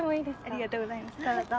ありがとうございますどうぞ。